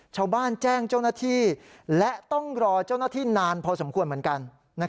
แจ้งเจ้าหน้าที่และต้องรอเจ้าหน้าที่นานพอสมควรเหมือนกัน